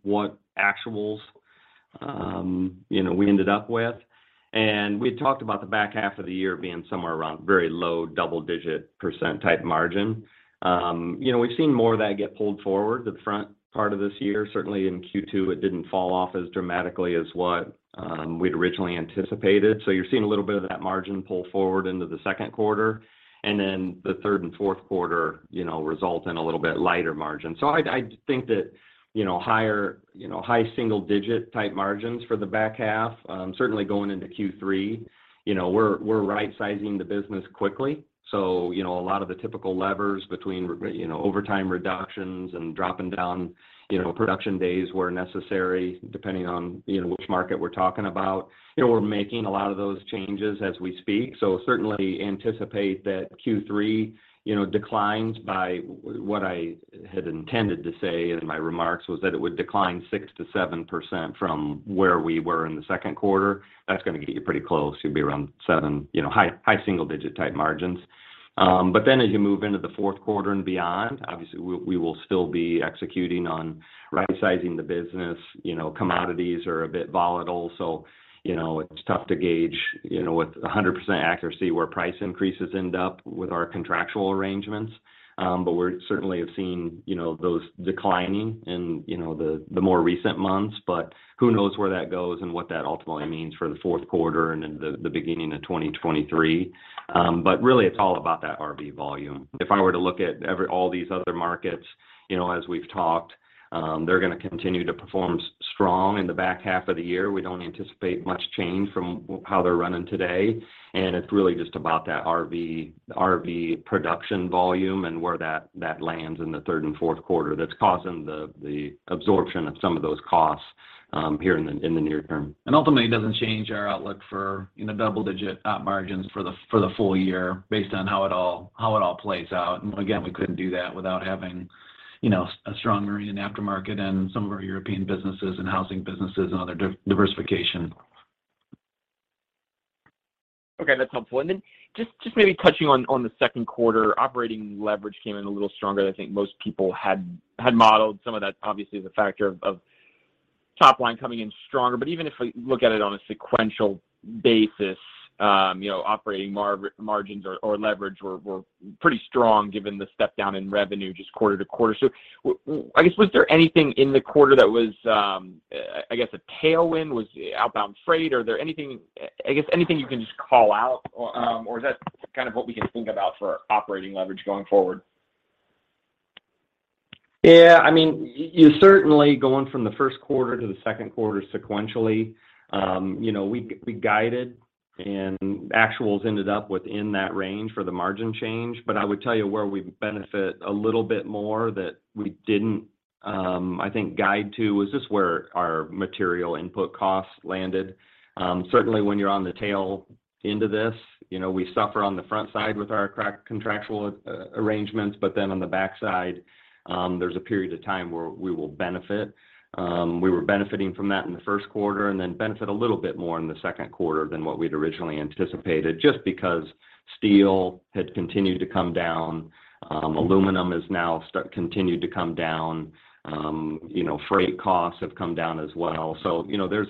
what actuals, you know, we ended up with. We had talked about the back half of the year being somewhere around very low double-digit % type margin. You know, we've seen more of that get pulled forward the front part of this year. Certainly in Q2, it didn't fall off as dramatically as what we'd originally anticipated. You're seeing a little bit of that margin pull forward into the second quarter and then the third and fourth quarter, you know, result in a little bit lighter margin. I think that, you know, higher, you know, high single digit type margins for the back half, certainly going into Q3, you know, we're rightsizing the business quickly. A lot of the typical levers between overtime reductions and dropping down, you know, production days where necessary, depending on, you know, which market we're talking about. You know, we're making a lot of those changes as we speak. Certainly anticipate that Q3, you know, declines by what I had intended to say in my remarks was that it would decline 6%-7% from where we were in the second quarter. That's gonna get you pretty close. You'll be around seven, you know, high single digit type margins. As you move into the fourth quarter and beyond, obviously we will still be executing on rightsizing the business. You know, commodities are a bit volatile, so, you know, it's tough to gauge, you know, with 100% accuracy where price increases end up with our contractual arrangements. We've certainly seen, you know, those declining in, you know, the more recent months, but who knows where that goes and what that ultimately means for the fourth quarter and then the beginning of 2023. Really it's all about that RV volume. If I were to look at all these other markets, you know, as we've talked, they're gonna continue to perform strong in the back half of the year. We don't anticipate much change from how they're running today, and it's really just about that RV production volume and where that lands in the third and fourth quarter that's causing the absorption of some of those costs here in the near term. Ultimately it doesn't change our outlook for, you know, double digit op margins for the full year based on how it all plays out. Again, we couldn't do that without having, you know, a strong marine and aftermarket and some of our European businesses and housing businesses and other diversification. Okay. That's helpful. Then just maybe touching on the second quarter operating leverage came in a little stronger than I think most people had modeled. Some of that obviously is a factor of top line coming in stronger. But even if we look at it on a sequential basis, operating margins or leverage were pretty strong given the step down in revenue just quarter to quarter. I guess, was there anything in the quarter that was a tailwind? Was outbound freight? Are there anything, I guess anything you can just call out or is that kind of what we can think about for operating leverage going forward? Yeah, I mean, you certainly going from the first quarter to the second quarter sequentially, we guided and actuals ended up within that range for the margin change. I would tell you where we benefit a little bit more that we didn't, I think guide to was just where our material input costs landed. Certainly when you're on the tail into this, we suffer on the front side with our contractual arrangements, but then on the backside, there's a period of time where we will benefit. We were benefiting from that in the first quarter and then benefit a little bit more in the second quarter than what we'd originally anticipated, just because steel had continued to come down. Aluminum is now continued to come down. You know, freight costs have come down as well. You know, there's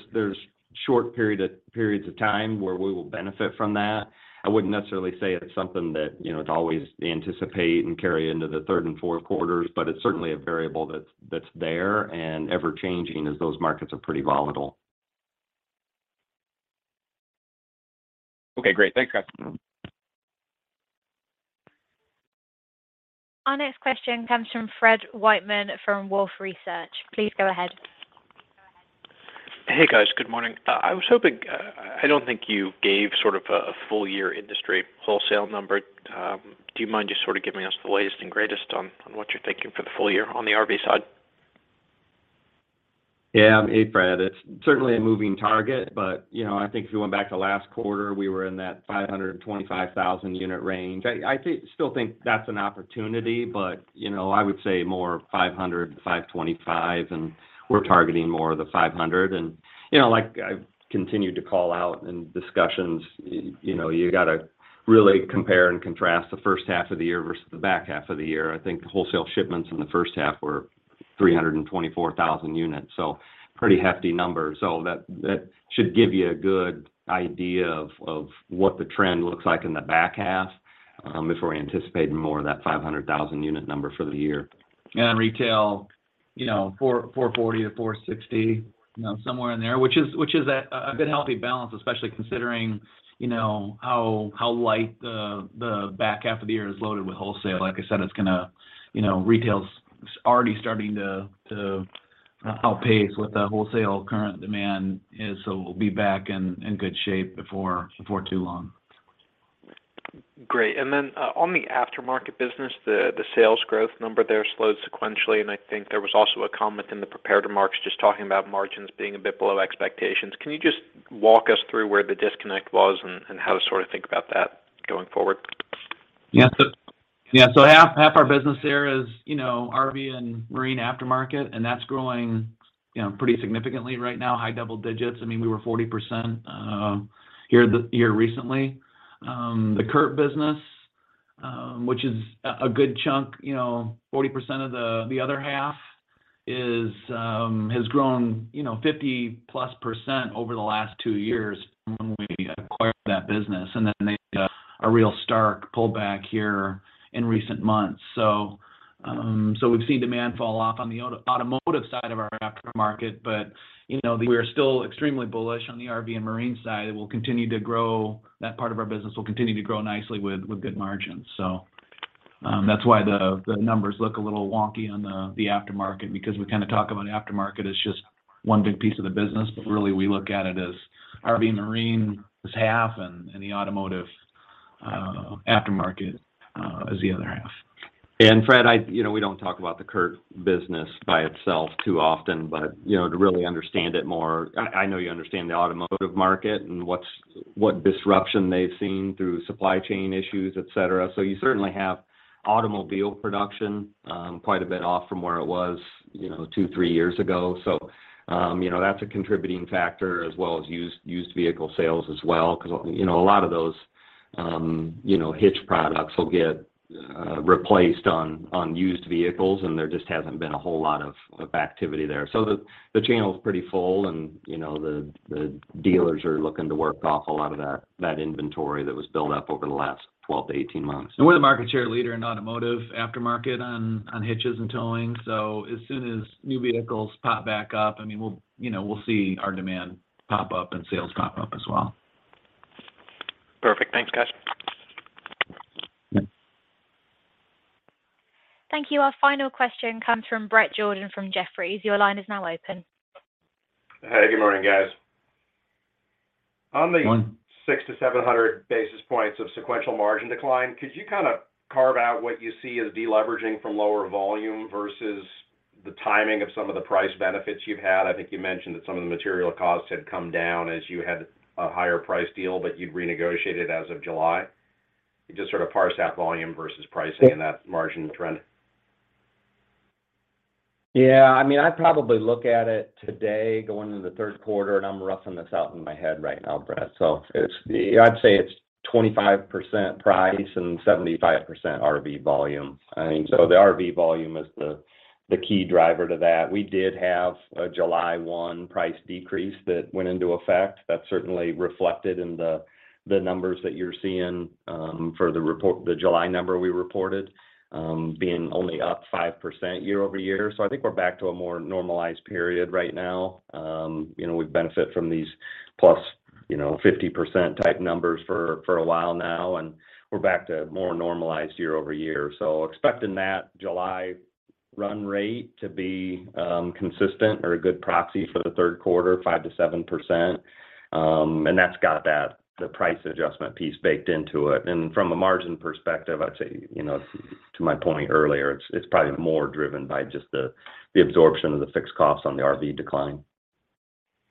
periods of time where we will benefit from that. I wouldn't necessarily say it's something that, you know, to always anticipate and carry into the third and fourth quarters, but it's certainly a variable that's there and ever changing as those markets are pretty volatile. Okay, great. Thanks, guys. Our next question comes from Fred Wightman from Wolfe Research. Please go ahead. Hey, guys. Good morning. I was hoping, I don't think you gave sort of a full year industry wholesale number. Do you mind just sort of giving us the latest and greatest on what you're thinking for the full year on the RV side? Yeah. Hey, Fred. It's certainly a moving target, but you know, I think if you went back to last quarter, we were in that 525,000 unit range. I still think that's an opportunity, but you know, I would say more 500,000, 525,000 and we're targeting more of the 500,000. You know, like I've continued to call out in discussions, you know, you got to really compare and contrast the first half of the year versus the back half of the year. I think wholesale shipments in the first half were 324,000 units, so pretty hefty numbers. That should give you a good idea of what the trend looks like in the back half before we anticipate more of that 500,000 unit number for the year. Retail, you know, 44%-46%, you know, somewhere in there, which is a good healthy balance, especially considering, you know, how light the back half of the year is loaded with wholesale. Like I said, it's gonna, you know, retail's. It's already starting to outpace what the wholesale current demand is, so we'll be back in good shape before too long. Great. On the aftermarket business, the sales growth number there slowed sequentially, and I think there was also a comment in the prepared remarks just talking about margins being a bit below expectations. Can you just walk us through where the disconnect was and how to sort of think about that going forward? Half our business there is, you know, RV and marine aftermarket, and that's growing, you know, pretty significantly right now, high double digits. I mean, we were 40% here recently. The CURT business, which is a good chunk, you know, 40% of the other half, has grown, you know, 50+% over the last two years from when we acquired that business and then made a real stark pullback here in recent months. We've seen demand fall off on the automotive side of our aftermarket, but, you know, we're still extremely bullish on the RV and marine side. It will continue to grow. That part of our business will continue to grow nicely with good margins. That's why the numbers look a little wonky on the aftermarket because we kind of talk about aftermarket as just one big piece of the business, but really we look at it as RV and marine is half and the automotive aftermarket is the other half. Fred, you know, we don't talk about the CURT business by itself too often, but you know, to really understand it more, I know you understand the automotive market and what disruption they've seen through supply chain issues, et cetera. You certainly have automobile production quite a bit off from where it was, you know, two, three years ago. You know, that's a contributing factor as well as used vehicle sales as well 'cause you know, a lot of those hitch products will get replaced on used vehicles and there just hasn't been a whole lot of activity there. The channel's pretty full and you know, the dealers are looking to work off a lot of that inventory that was built up over the last 12-18 months. We're the market share leader in automotive aftermarket on hitches and towing, so as soon as new vehicles pop back up, I mean, we'll, you know, see our demand pop up and sales pop up as well. Perfect. Thanks, guys. Thank you. Our final question comes from Bret Jordan from Jefferies. Your line is now open. Hey, good morning, guys. Good morning. On the 600-700 basis points of sequential margin decline, could you kind of carve out what you see as deleveraging from lower volume versus the timing of some of the price benefits you've had? I think you mentioned that some of the material costs had come down as you had a higher price deal, but you'd renegotiated as of July. Could you just sort of parse that volume versus pricing in that margin trend? Yeah. I mean, I'd probably look at it today going into the third quarter, and I'm roughing this out in my head right now, Bret. It's, I'd say it's 25% price and 75% RV volume. I mean, the RV volume is the key driver to that. We did have a July 1 price decrease that went into effect. That's certainly reflected in the numbers that you're seeing for the report- the July number we reported being only up 5% year-over-year. I think we're back to a more normalized period right now. You know, we've benefited from these plus, you know, 50% type numbers for a while now and we're back to more normalized year-over-year. Expecting that July run rate to be consistent or a good proxy for the third quarter, 5%-7%. That's got that, the price adjustment piece baked into it. From a margin perspective, I'd say, you know, to my point earlier, it's probably more driven by just the absorption of the fixed costs on the RV decline.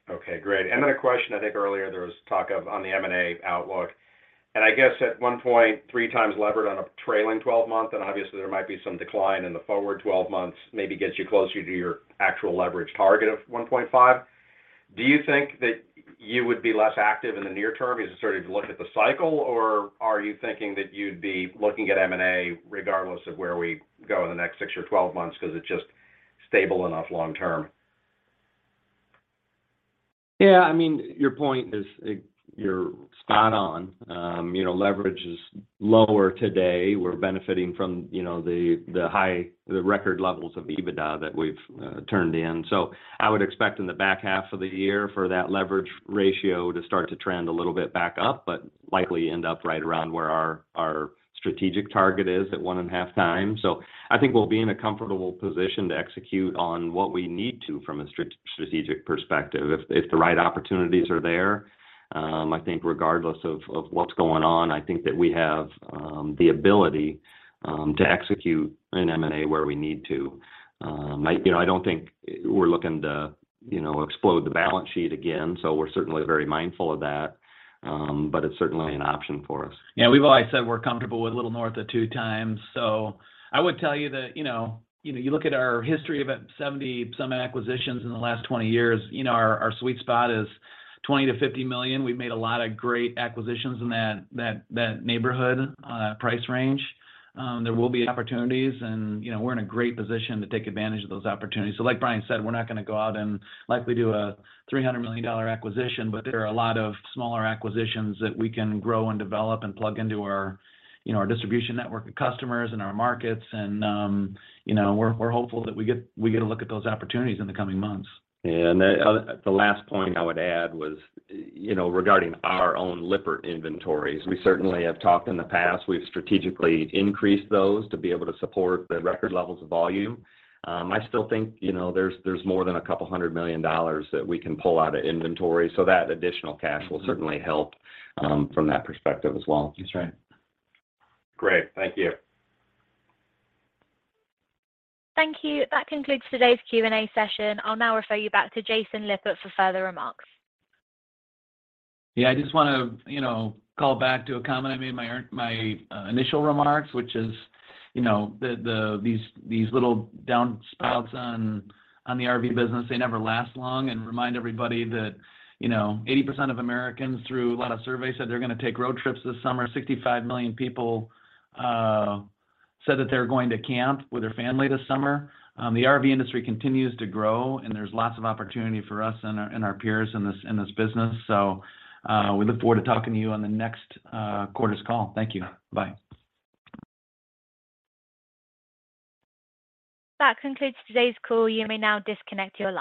Okay, great. Then a question, I think earlier there was talk of on the M&A outlook, and I guess at 1.3x levered on a trailing twelve-month and obviously there might be some decline in the forward twelve months, maybe gets you closer to your actual leverage target of 1.5. Do you think that you would be less active in the near term as you're starting to look at the cycle, or are you thinking that you'd be looking at M&A regardless of where we go in the next six or 12 months because it's just stable enough long term? Yeah, I mean, your point is. You're spot on. You know, leverage is lower today. We're benefiting from you know, the high record levels of EBITDA that we've turned in. I would expect in the back half of the year for that leverage ratio to start to trend a little bit back up, but likely end up right around where our strategic target is at 1.5x. I think we'll be in a comfortable position to execute on what we need to from a strategic perspective. If the right opportunities are there, I think regardless of what's going on, I think that we have the ability to execute an M&A where we need to. I don't think we're looking to, you know, explode the balance sheet again, so we're certainly very mindful of that. It's certainly an option for us. Yeah. We've always said we're comfortable with a little north of 2x. I would tell you that, you know, you look at our history of 70-some acquisitions in the last 20 years, you know, our sweet spot is $20 million-$50 million. We've made a lot of great acquisitions in that neighborhood price range. There will be opportunities and, you know, we're in a great position to take advantage of those opportunities. Like Brian said, we're not gonna go out and likely do a $300 million acquisition, but there are a lot of smaller acquisitions that we can grow and develop and plug into our, you know, our distribution network of customers and our markets and, you know, we're hopeful that we get a look at those opportunities in the coming months. Yeah. The last point I would add was, you know, regarding our own Lippert inventories. We certainly have talked in the past. We've strategically increased those to be able to support the record levels of volume. I still think, you know, there's more than $200 million that we can pull out of inventory, so that additional cash will certainly help from that perspective as well. That's right. Great. Thank you. Thank you. That concludes today's Q&A session. I'll now refer you back to Jason Lippert for further remarks. Yeah. I just wanna, you know, call back to a comment I made in my initial remarks, which is, you know, these little downturns on the RV business, they never last long and remind everybody that, you know, 80% of Americans through a lot of surveys said they're gonna take road trips this summer. 65 million people said that they're going to camp with their family this summer. The RV industry continues to grow and there's lots of opportunity for us and our peers in this business. We look forward to talking to you on the next quarter's call. Thank you. Bye. That concludes today's call. You may now disconnect your line.